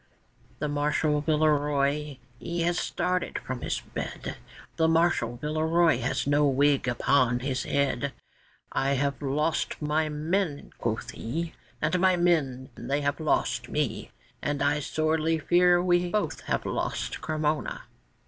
The Marshal Villeroy he has started from his bed; The Marshal Villeroy has no wig upon his head; 'I have lost my men!' quoth he, 'And my men they have lost me, And I sorely fear we both have lost Cremona.